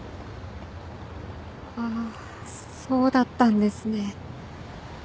ああそうだったんですね。